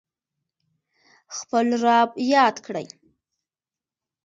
خپل رب یاد کړئ